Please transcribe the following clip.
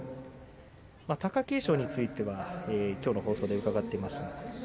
貴景勝についてはきょうの放送で伺っています。